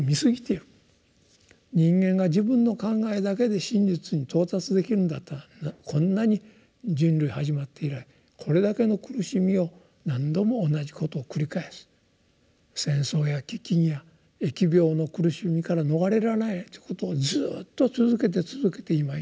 人間が自分の考えだけで真実に到達できるんだったらこんなに人類始まって以来これだけの苦しみを何度も同じことを繰り返す戦争や飢きんや疫病の苦しみから逃れられないということをずっと続けて続けて今に至ってる。